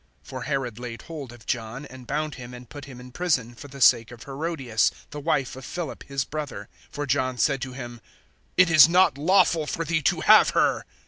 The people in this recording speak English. (3)For Herod laid hold of John, and bound him and put him in prison, for the sake of Herodias, the wife of Philip, his brother. (4)For John said to him: It is not lawful for thee to have her.